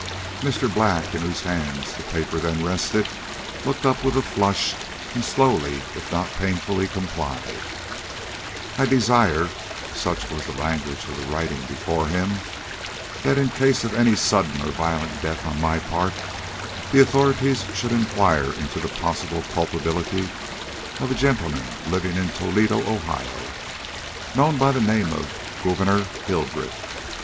Mr. Black, in whose hand the paper then rested, looked up with a flush, and slowly, if not painfully, complied: "I desire" such was the language of the writing before him "that in case of any sudden or violent death on my part, the authorities should inquire into the possible culpability of a gentleman living in Toledo, Ohio, known by the name of Gouverneur Hildreth.